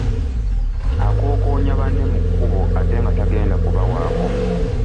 Akokoonya banne mu kkubo ate nga tategenda kubawaako.